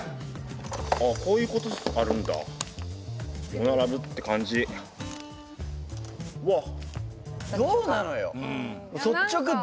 ああこういうことあるんだ「夜なラブ」って感じわっ！